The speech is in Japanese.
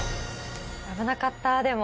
危なかった、でも。